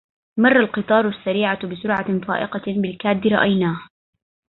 مر القطار السريعة بسرعة فائقة بالكاد رأيناه.